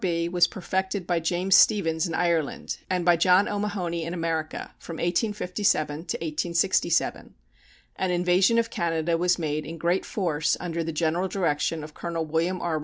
B. was perfected by James Stephens in Ireland, and by John O'Mahony in America, from 1857 to 1867. An invasion of Canada was made in great force under the general direction of Colonel William R.